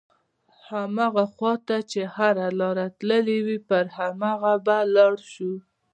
هماغه خواته چې هره لاره تللې وي پر هماغه به لاړ شو.